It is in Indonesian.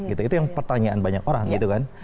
itu yang pertanyaan banyak orang gitu kan